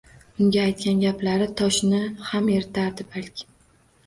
Uning aytgan gaplari toshni ham eritardi, balki.